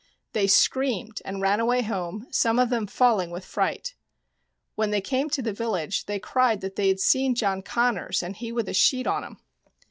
They screamed and ran away home, some of them falling with fright. When they came to the village they cried that they had seen John Connors, and he with a sheet on him.